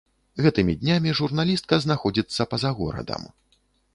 Гэтымі днямі журналістка знаходзіцца па-за горадам.